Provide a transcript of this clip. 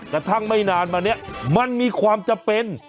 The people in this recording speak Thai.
กระทั่งไม่นานมาเนี่ยมันมีความจำเป็น